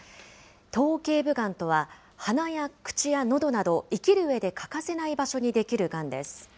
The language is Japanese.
頭けい部がんとは、鼻や口やのどなど、生きるうえで欠かせない場所に出来るがんです。